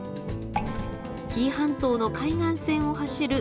紀伊半島の海岸線を走る絶景路線。